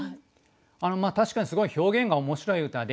確かにすごい表現が面白い歌で